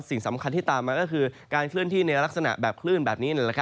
สิ่งสำคัญที่ตามมาก็คือการเคลื่อนที่ในลักษณะแบบคลื่นแบบนี้